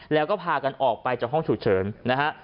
แล้วก็พากันออกไปจากห้องฉุกเฉินนะฮะ